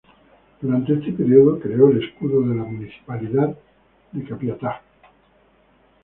Durante este periodo creó el escudo de la Municipalidad de Capiatá.